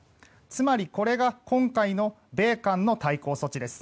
つまり、これが今回の米韓の対抗措置です。